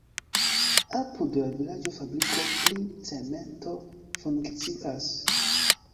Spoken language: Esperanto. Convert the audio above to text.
Apud la vilaĝo fabriko pri cemento funkcias.